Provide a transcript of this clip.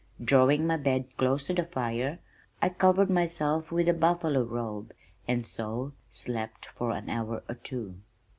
Drawing my bed close to the fire, I covered myself with a buffalo robe and so slept for an hour or two.